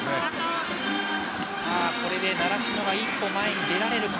これで習志野が一歩前に出られるか。